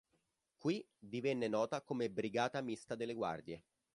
Qui divenne nota come Brigata mista delle Guardie.